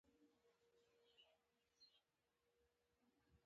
موږه وخت له ګلابونو سره تېر دی